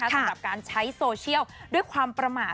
สำหรับการใช้โซเชียลด้วยความประมาท